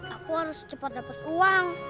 aku harus cepat dapat uang